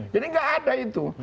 jadi enggak ada itu